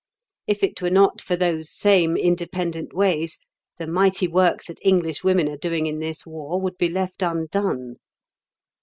If it were not for those same independent ways the mighty work that English women are doing in this war would be left undone.